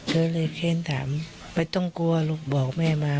ก็เลยเค้นถามไม่ต้องกลัวลูกบอกแม่มา